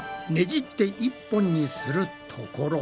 じって一本にするところ。